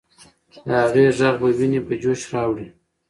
د هغې ږغ به ويني په جوش راوړي.